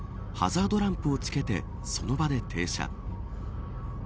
ハザードランプをつけてその場で停車。